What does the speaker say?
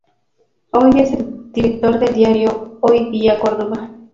Hoy es director del diario Hoy Día Córdoba.